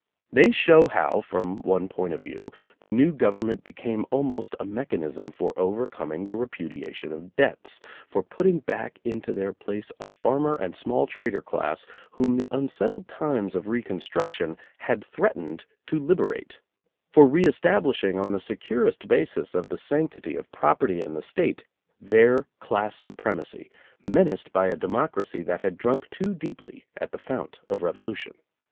They show how, from one point of view, the new government became almost a mechanism for overcoming the repudiation of debts, for putting back into their place a farmer and small trader class whom the unsettled times of reconstruction had threatened to liberate, for reestablishing on the securest basis of the sanctity of property and the State, their class supremacy menaced by a democracy that had drunk too deeply at the fount of Revolution.